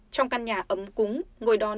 trong căn nhà ấm cúng ngồi đón